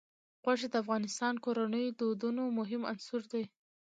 غوښې د افغان کورنیو د دودونو مهم عنصر دی.